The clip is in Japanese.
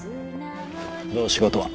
どう仕事は？